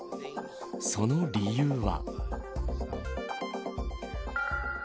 その理由は。